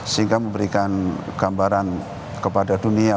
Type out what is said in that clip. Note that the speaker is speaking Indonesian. sehingga memberikan gambaran kepada dunia